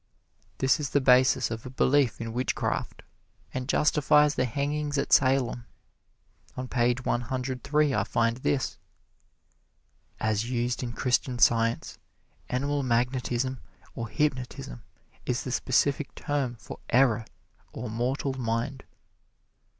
This is the basis of a belief in witchcraft, and justifies the hangings at Salem. On page one hundred three I find this: "As used in Christian Science, animal magnetism or hypnotism is the specific term for error, or mortal mind."